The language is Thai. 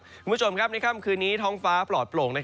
คุณผู้ชมครับในค่ำคืนนี้ท้องฟ้าปลอดโปร่ง